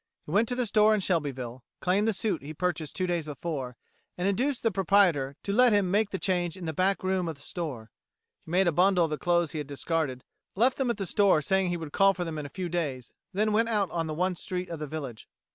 He went to the store in Shelbyville, claimed the suit he purchased two days before, and induced the proprietor to let him make the change in the back room of the store. He made a bundle of the clothes he had discarded, left them at the store saying that he would call for them in a few days, then went out on the one street of the village.